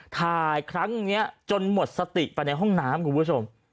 ถ่ายครั้งนี้จนหมดสติไปในห้องน้ำคุณผู้ชม